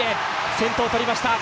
先頭とりました。